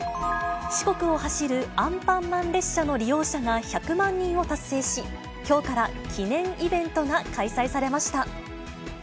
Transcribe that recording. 四国を走るアンパンマン列車の利用者が１００万人を達成し、きょうから記念イベントが開催されました。